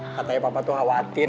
katanya papa tuh khawatir